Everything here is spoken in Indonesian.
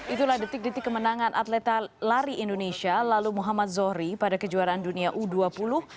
itulah detik detik kemenangan atlet lari indonesia lalu muhammad zohri pada kejuaraan dunia u dua puluh